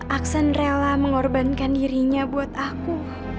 aksen rela mengorbankan dirinya buat aku